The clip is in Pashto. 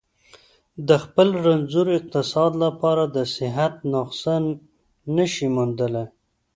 د خپل رنځور اقتصاد لپاره د صحت نسخه نه شي موندلای.